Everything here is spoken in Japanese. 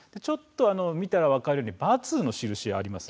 見たら分かるようにバツの印があります。